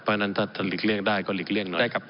เพราะฉะนั้นถ้าหลีกเลี่ยงได้ก็หลีกเลี่ยงหน่อยได้ครับ